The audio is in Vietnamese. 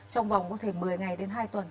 trong vòng có thể một mươi ngày đến hai tuần